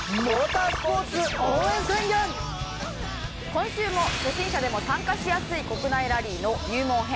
今週も初心者でも参加しやすい国内ラリーの入門編